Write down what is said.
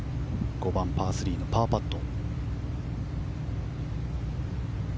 ５番、パー３、パーパット。